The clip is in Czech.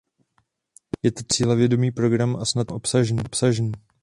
Je to cílevědomý program a snad i program obsažný.